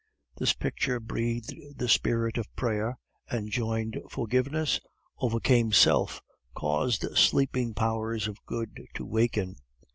This picture breathed the spirit of prayer, enjoined forgiveness, overcame self, caused sleeping powers of good to waken.